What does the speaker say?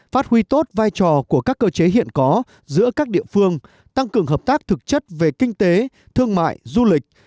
phát huy tốt vai trò của các cơ chế hiện có giữa các địa phương tăng cường hợp tác thực chất về kinh tế thương mại du lịch